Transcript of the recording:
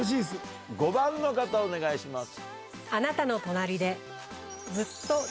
５番の方お願いします。